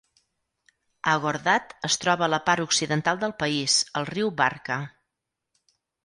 Agordat es troba a la part occidental del país, al riu Barka.